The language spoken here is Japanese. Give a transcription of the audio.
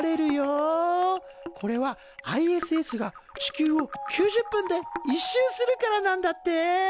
これはＩＳＳが地球を９０分で一周するからなんだって。